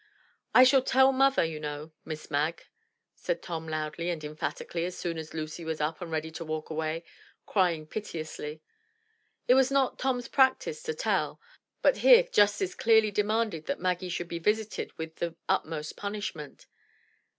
"I shall tell mother, you know, Miss Mag," said Tom loudly and emphatically as soon as Lucy was up and ready to walk away, crying piteously. It was not Tom's practice to tell,'' but here justice clearly demanded that Maggie should be visited with the utmost punishment.